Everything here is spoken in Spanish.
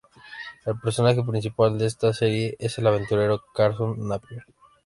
El personaje principal de esta serie es el aventurero Carson Napier.